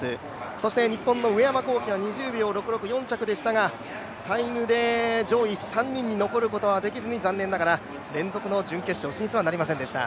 そして日本の上山紘輝が２０秒６６、４着でしたが、タイムで上位３人に残ることはできずに残念ながら連続の準決勝進出はなりませんでした。